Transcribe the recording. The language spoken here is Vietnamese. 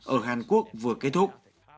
ở hàn quốc vừa kết thúc